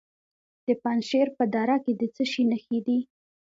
د پنجشیر په دره کې د څه شي نښې دي؟